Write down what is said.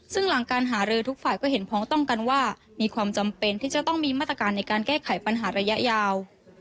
ซึ่งหลังการหารือทุกฝ่ายก็เห็นพ้องต้องกันว่ามีความจำเป็นที่จะต้องมีมาตรการในการแก้ไขปัญหาระยะยาว